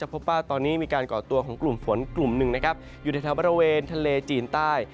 พบว่าตอนนี้มีการก่อตัวของกลุ่มฝนกลุ่มหนึ่งนะครับอยู่ในแถวบริเวณทะเลจีนใต้